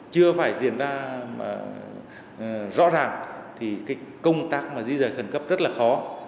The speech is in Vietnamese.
chưa phải diễn ra rõ ràng thì công tác di dạy khẩn cấp rất là khó